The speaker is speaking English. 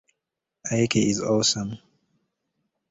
Ikey is awesome.